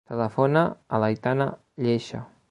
Telefona a l'Aitana Lleixa.